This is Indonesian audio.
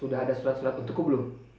sudah ada surat surat untukku belum